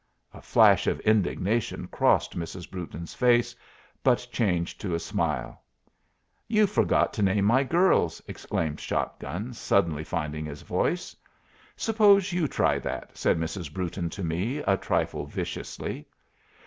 A flash of indignation crossed Mrs. Brewton's face, but changed to a smile. "You've forgot to name my girls!" exclaimed Shot gun, suddenly finding his voice. "Suppose you try that," said Mrs. Brewton to me, a trifle viciously.